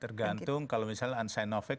tergantung kalau misalnya sinovac